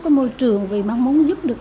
cái môi trường vì mong muốn giúp được